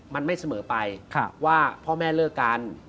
มันไม่เสมอไปว่าพ่อแม่เลิกกัน